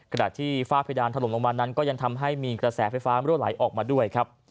ขณะที่ฝ้าเพดานถล่มลงมานั้นก็ยังทำให้มีกระแสไฟฟ้ารั่วไหลออกมาด้วยครับ